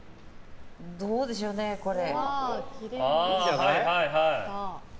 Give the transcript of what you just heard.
どうでしょうね、これ。